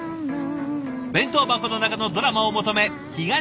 弁当箱の中のドラマを求め東へ西へ。